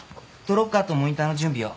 トロッカーとモニターの準備を。